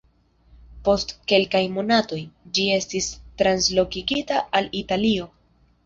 Post kelkaj monatoj, ĝi estis translokigita al Italio.